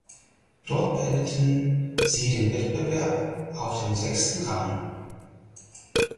Dort beendeten sie den Wettbewerb auf dem sechsten Rang.